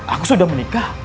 aku sudah menikah